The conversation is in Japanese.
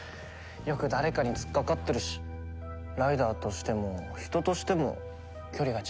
よく誰かに突っかかってるしライダーとしても人としても距離が近いんだね。